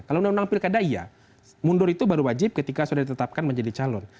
kalau undang undang pilkada iya mundur itu baru wajib ketika sudah ditetapkan menjadi calon